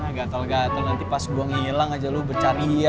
nah gatel gatel nanti pas gua ngilang aja lo bercari ya